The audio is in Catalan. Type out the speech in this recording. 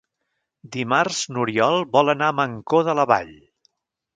Dimarts n'Oriol vol anar a Mancor de la Vall.